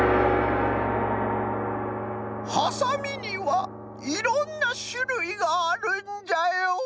ハサミにはいろんなしゅるいがあるんじゃよ！